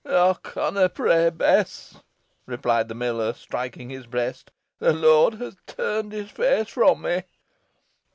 "Ey conna pray, Bess," replied the miller, striking his breast. "The Lord has turned his feace fro' me."